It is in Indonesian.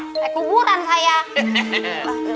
ke kuburan saya